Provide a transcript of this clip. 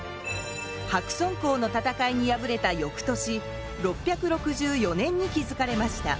白村江の戦いに敗れた翌年６６４年に築かれました。